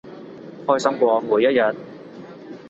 開心過每一日